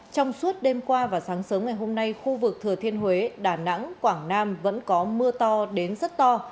trong suốt đêm qua và sáng sớm ngày hôm nay khu vực thừa thiên huế đà nẵng quảng nam vẫn có mưa to đến rất to